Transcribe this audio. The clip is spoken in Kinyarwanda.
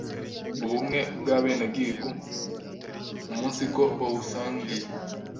ubumwe bw’abenegihugu umunsiko bawusangiye,